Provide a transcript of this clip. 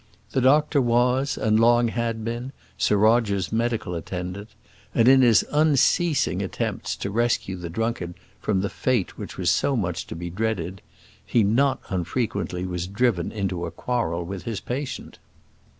The doctor was, and long had been, Sir Roger's medical attendant, and, in his unceasing attempts to rescue the drunkard from the fate which was so much to be dreaded, he not unfrequently was driven into a quarrel with his patient.